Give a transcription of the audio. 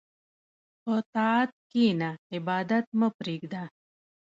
په طاعت کښېنه، عبادت مه پرېږده.